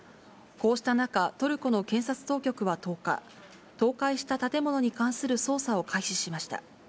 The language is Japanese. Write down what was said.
こうした中、トルコの検察当局は１０日、倒壊した建物に関する捜査を開始しました。